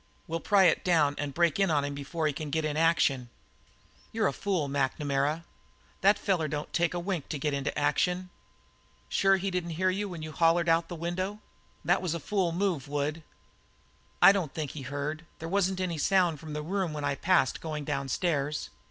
We'll pry it down and break in on him before he can get in action." "You're a fool, McNamara. That feller don't take a wink to get into action. Sure he didn't hear you when you hollered out the window? That was a fool move, Wood." "I don't think he heard. There wasn't any sound from his room when I passed it goin' downstairs.